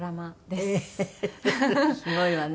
すごいわね。